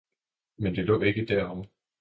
men det lå ikke derovre.